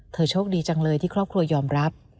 โชคดีจังเลยที่ครอบครัวยอมรับ